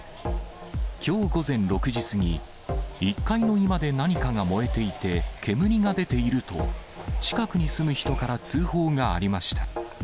きょう午前６時過ぎ、１階の居間で何かが燃えていて、煙が出ていると、近くに住む人から通報がありました。